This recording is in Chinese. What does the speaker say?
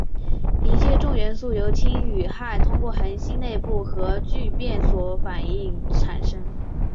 一切重元素由氢与氦通过恒星内部核聚变反应产生。